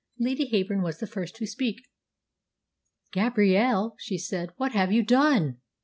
"Lady Heyburn was the first to speak. 'Gabrielle,' she said, 'what have you done?